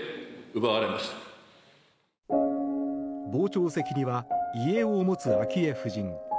傍聴席には遺影を持つ昭恵夫人。